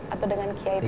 atau dengan kiai